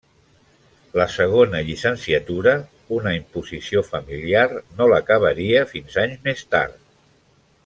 La segona llicenciatura, una imposició familiar, no l'acabaria fins anys més tard.